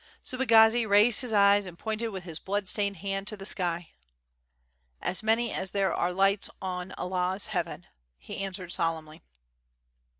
Subagazi raised his eyes and pointed with his blood stained hand to the sky. "As many as there are lights on Allah *s Heaven/' he answered solemnly.